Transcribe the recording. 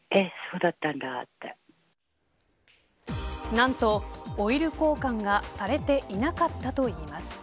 何と、オイル交換がされていなかったといいます。